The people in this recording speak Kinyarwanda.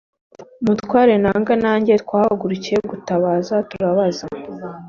umutware nanga nanjye twahagurukiye gutabaza turabaza